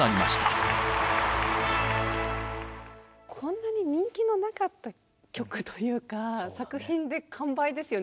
こんなに人気のなかった曲というか作品で完売ですよね。